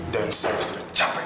dan saya sudah capek